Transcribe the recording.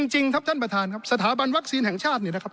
จริงครับท่านประธานครับสถาบันวัคซีนแห่งชาติเนี่ยนะครับ